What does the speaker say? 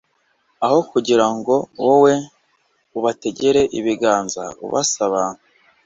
aho kugira ngo wowe ubategere ibiganza ubasaba